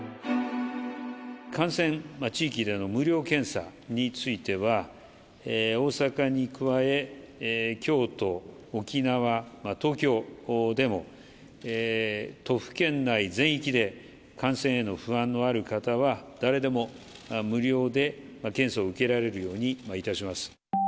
感染地域での無料検査については、大阪に加え、京都、沖縄、東京でも、都府県内全域で感染への不安のある方は、誰でも無料で検査を受けられるようにいたします。